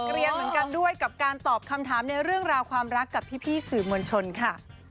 เรียนเหมือนกันด้วยกับการตอบคำถามในเรื่องราวความรักกับพี่สื่อมวลชนค่ะ